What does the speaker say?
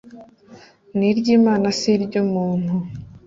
ni ry Imana si iry umuntu